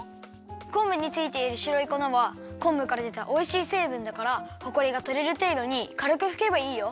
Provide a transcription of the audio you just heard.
こんぶについているしろいこなはこんぶからでたおいしいせいぶんだからほこりがとれるていどにかるくふけばいいよ。